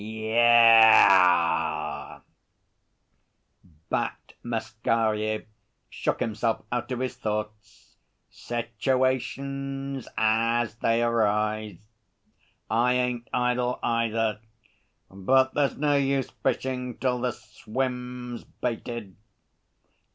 'Ye eh!' Bat Masquerier shook himself out of his thoughts. '"Situations as they arise." I ain't idle either. But there's no use fishing till the swim's baited.